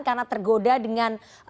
karena tergoda dengan